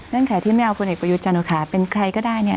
เงื่อนไขที่ไม่เอาคนเอกประยุทธ์จันทร์โอชาคเป็นใครก็ได้